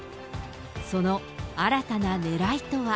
その新たなねらいとは。